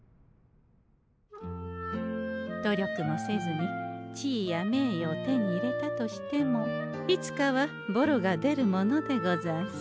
努力もせずに地位や名誉を手に入れたとしてもいつかはボロが出るものでござんす。